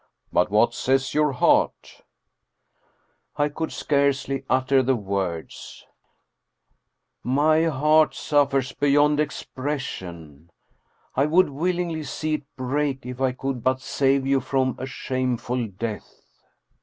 But what says your heart ?" I could scarcely utter the words, " My heart suffers be yond expression. I would willingly see it break if I could but save you from a shameful death."